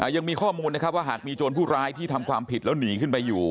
ยังมีข้อมูลนะครับว่าหากมีโจรผู้ร้ายที่ทำความผิดแล้วหนีขึ้นไปอยู่